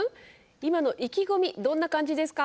今の意気込みどんな感じですか？